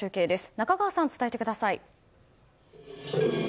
中川さん、伝えてください。